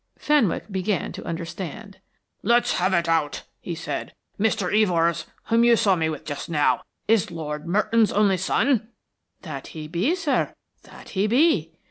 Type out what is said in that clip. Fenwick began to understand. "Let's have it out," he said. "Mr. Evors, whom you saw with me just now, is Lord Merton's only son?" "That he be, sir, that he be.